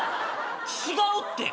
違うって。